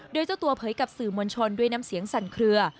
โดยเจ้าตัวเผยกับสื่อมวลชนด้วยน้ำเสียงสั่นเคลือ